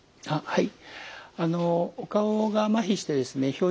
はい。